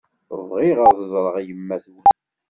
Bɣiɣ ad ẓreɣ yemma-twen.